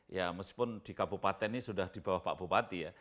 ya meskipun di kabupaten ini sudah di bawah pak bupati ya